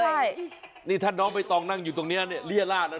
ใช่นี่ถ้าน้องวิตองนั่งอยู่ตรงนี้เรียราชแล้วนะ